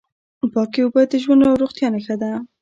پاکې اوبه د ژوند او روغتیا نښه ده.